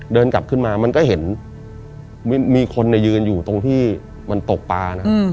เดินกลับขึ้นมามันก็เห็นมีคนยืนอยู่ตรงที่มันตกปลานะ